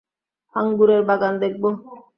আঙ্গুরের বাগান দেখবো।